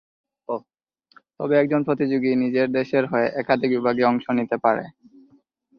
তবে, একজন প্রতিযোগী নিজের দেশের হয়ে একাধিক বিভাগে অংশ নিতে পারে।